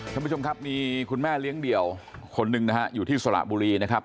ท่านผู้ชมครับมีคุณแม่เลี้ยงเดี่ยวคนหนึ่งนะฮะอยู่ที่สระบุรีนะครับ